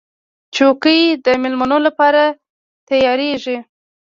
چوکۍ د مېلمنو لپاره تیارېږي.